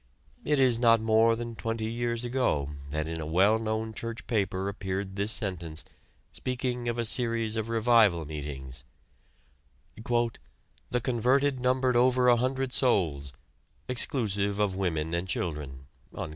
It is not more than twenty years ago that in a well known church paper appeared this sentence, speaking of a series of revival meetings: "The converted numbered over a hundred souls, exclusive of women and children."